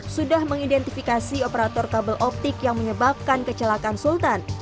sudah mengidentifikasi operator kabel optik yang menyebabkan kecelakaan sultan